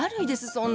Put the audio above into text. そんな。